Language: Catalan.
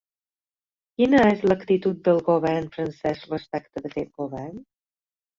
Quina és l’actitud del govern francès respecte aquest govern?